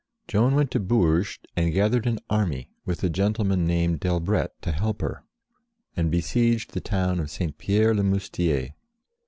Joan went to Bourges and gathered an army, with a gentle man named d'Elbret to help her, and besieged the town of St. Pierre le Moustier.